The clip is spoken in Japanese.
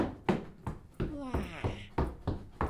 ふぁあ